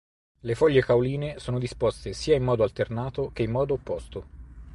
Le foglie cauline sono disposte sia in modo alternato che in modo opposto.